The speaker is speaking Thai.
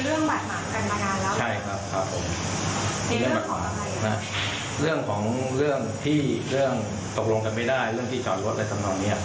เรื่องที่ชวนลดแล้วสำหรับนี้ครับ